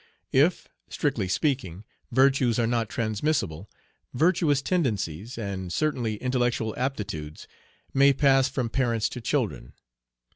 If, strictly speaking, virtues are not transmissible, virtuous tendencies, Page 36 and certainly intellectual aptitudes, may pass from parents to children.